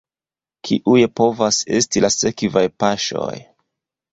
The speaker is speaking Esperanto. Kiuj povos esti la sekvaj paŝoj?